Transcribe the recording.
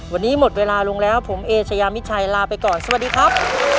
วันนี้หมดเวลาลงแล้วผมเอเชยามิชัยลาไปก่อนสวัสดีครับ